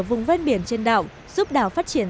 vùng ven biển trên đảo giúp đảo phát triển